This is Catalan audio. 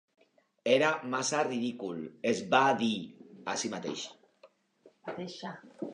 "Era massa ridícul", es va dir a si mateixa.